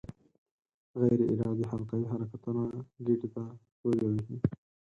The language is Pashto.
غیر ارادي حلقوي حرکتونه ګېډې ته پورې وهي.